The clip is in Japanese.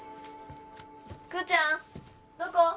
クーちゃんどこ？